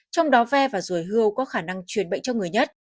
trong đó ve và rùi hươu có khả năng truyền bệnh cho người nhất